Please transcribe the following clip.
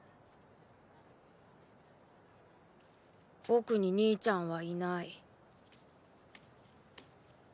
僕に兄ちゃんはいない。